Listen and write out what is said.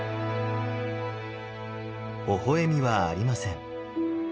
ほほ笑みはありません。